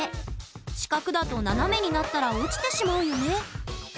四角だと斜めになったら落ちてしまうよね。